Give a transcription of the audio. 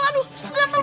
aduh gatal gatal